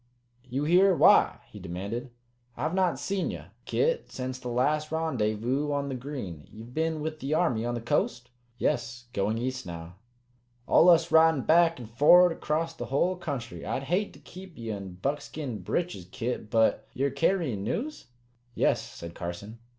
You here why?" he demanded. "I've not seed ye, Kit, sence the last Rendyvous on the Green. Ye've been with the Army on the coast?" "Yes. Going east now." "Allus ridin' back and forerd acrost the hull country. I'd hate to keep ye in buckskin breeches, Kit. But ye're carryin' news?" "Yes," said Carson.